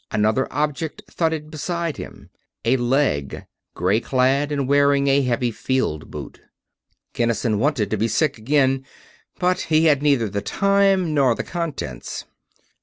Another object thudded beside him a leg, gray clad and wearing a heavy field boot! Kinnison wanted to be sick again, but he had neither the time nor the contents.